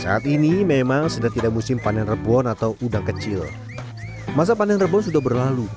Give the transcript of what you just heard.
saat ini memang sudah tidak musim panen rebon atau udang kecil masa panen rebon sudah berlalu